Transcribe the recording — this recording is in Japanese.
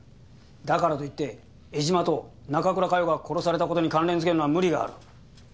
だからと言って江島と中倉佳世が殺された事に関連づけるのは無理がある。